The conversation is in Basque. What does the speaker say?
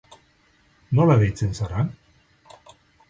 Nola deitzen zara?